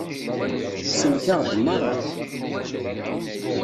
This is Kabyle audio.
Tsellek-aɣ-d merra.